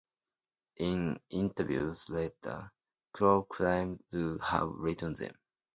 In interviews later, Crow claimed to have written them.